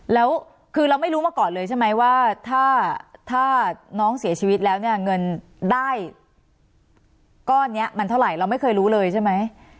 แล้วคือเราไม่รู้มาก่อนเลยใช่ไหมว่าถ้าน้องเสียชีวิตแล้วเนี่ยเงินได้ก้อนนี้มันเท่าไหร่เราไม่เคยรู้เลยใช่ไหม